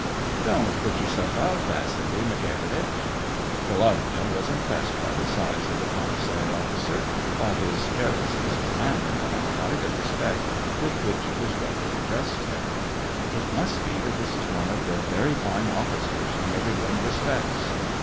"Don't put yourself out, Vasily Mikhailitch." Volodya was impressed by the size of the com missary officer, by his carelessness of manner, and by the respect with which his brother addressed him. " It must be that this is one of their very fine officers, whom every one respects.